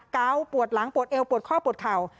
ปวดหลังปวดเอวปวดข้อปวดเข่า